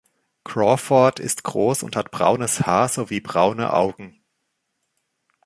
Crawford ist groß und hat braunes Haar sowie braune Augen.